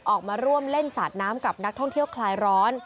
ออกมาร่วมเล่นสาดน้ำกับนักท่องเที่ยวคลายร้อน